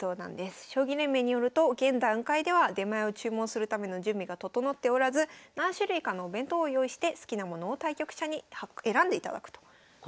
将棋連盟によると現段階では出前を注文するための準備が整っておらず何種類かのお弁当を用意して好きなものを対局者に選んでいただくということです。